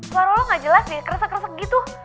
suara lo gak jelas nih keresek keresek gitu